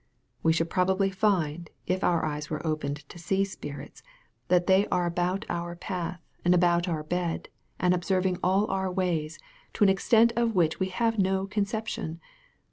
We should probably find, if our eyes were opened to see spirits, that they are about our path, and about our bed, and observing all our ways, to an extent of which we have no conception.